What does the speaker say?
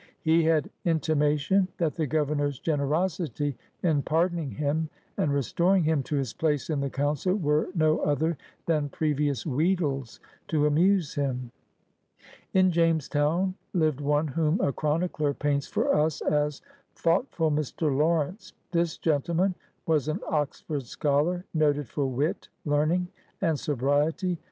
He had ^'intimation that the Governor's generosity in pardoning him and restoring him to his place in the Council were no other than previous wheedles to amuse him. " In Jamestown lived one whom a chronicler paints for us as '^ thoughtful Mr. Lawrence. " This gentleman was an Oxford scholar, noted for '"wit, learning, and sobriety